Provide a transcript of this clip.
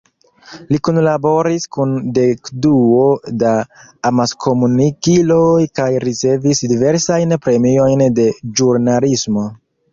Li kunlaboris kun dekduo da amaskomunikiloj kaj ricevis diversajn premiojn de ĵurnalismo.